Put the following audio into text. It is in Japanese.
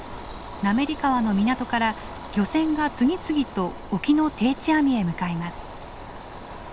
滑川の港から漁船が次々と沖の定置網へ向かいます。